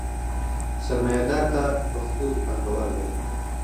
سرمایدار ته پښتو کې پانګوال وايي.